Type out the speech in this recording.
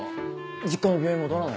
実家の病院戻らないの？